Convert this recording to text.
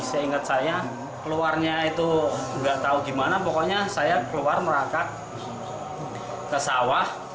saya ingat saya keluarnya itu enggak tahu gimana pokoknya saya keluar merangkak ke sawah